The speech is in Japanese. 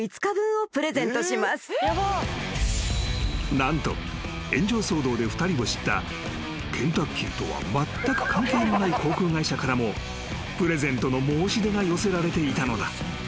［何と炎上騒動で２人を知ったケンタッキーとはまったく関係のない航空会社からもプレゼントの申し出が寄せられていたのだ］